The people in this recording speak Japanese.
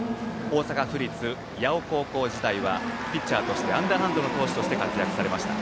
大阪府立八尾高校時代はピッチャーとしてアンダーハンドの投手として活躍しました。